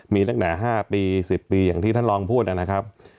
มีนาหนา๕ปี๑๐ปีอย่างที่ท่านรองพูดนะครับ